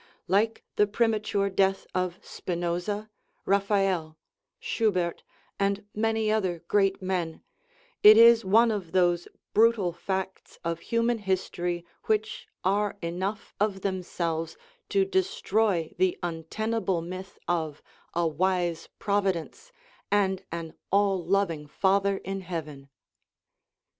Like the premature death of Spinoza, Ra phael, Schubert, and many other great men, it is one of those brutal facts of human history which are enough of themselves to destroy the untenable myth of a " wise Providence" and an "All loving Father in heaven."